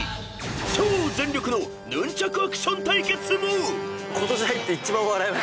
［超全力のヌンチャクアクション対決も］